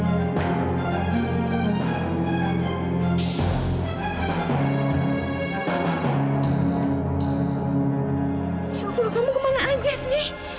oh kamu kemana aja sih